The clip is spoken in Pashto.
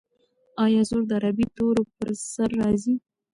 آیا زور د عربي تورو پر سر راځي؟